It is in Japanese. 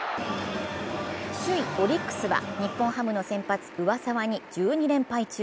首位・オリックスは日本ハムの先発・上沢に１２連敗中。